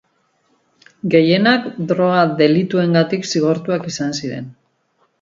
Gehienak droga-delituengatik zigortuak izan ziren.